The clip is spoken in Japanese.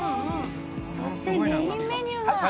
そしてメインメニューが？